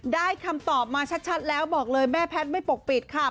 คำตอบมาชัดแล้วบอกเลยแม่แพทย์ไม่ปกปิดค่ะ